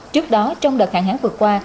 trước đó trong đợt hạn hán vừa qua